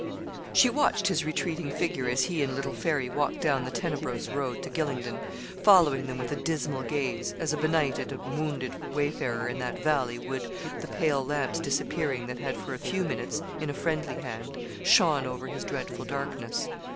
She watched his retreating figure as he and little Fairy walked down the tenebrose road to Gylingden, following them with a dismal gaze, as a benighted and wounded wayfarer in that 'Valley' would the pale lamp's disappearing that had for a few minutes, in a friendly hand, shone over his dreadful darkness.